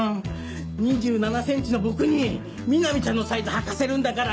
２７センチの僕に南ちゃんのサイズ履かせるんだから。